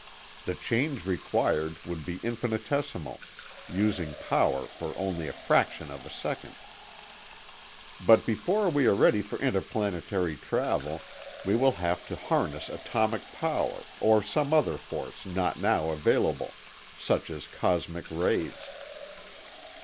The change required would be infinitesimal, using power for only a fraction of a second. But before we are ready for interplanetary travel, we will have to harness atomic power or some other force not now available, such as cosmic rays.